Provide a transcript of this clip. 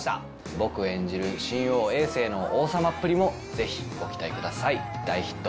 僕演じる秦王政の王様っぷりもぜひご期待ください。